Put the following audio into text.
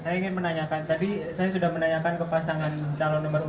saya ingin menanyakan tadi saya sudah menanyakan ke pasangan calon nomor dua